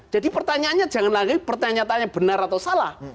jadi pertanyaannya jangan lagi pertanyaan pertanyaannya benar atau salah